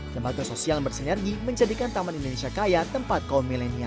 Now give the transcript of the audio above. lembaga sosial bersinergi menjadikan taman indonesia kaya tempat kaum milenial